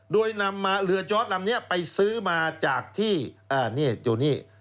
โดยนำมาเรือจอร์ดลำนี้ไปซื้อมาจากที่โจนี่